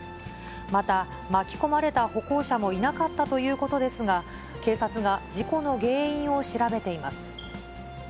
また、巻き込まれた歩行者もいなかったということですが、警察が事故の原因を調べています。